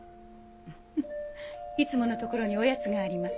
フフいつものところにおやつがあります。